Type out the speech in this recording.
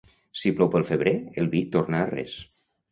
Si plou pel febrer, el vi torna a res.